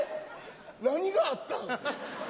何があったん？